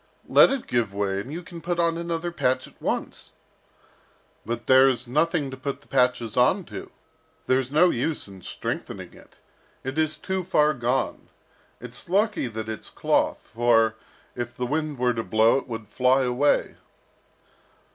"Let it give way, and you can put on another patch at once." "But there is nothing to put the patches on to. There's no use in strengthening it. It is too far gone. It's lucky that it's cloth, for, if the wind were to blow, it would fly away."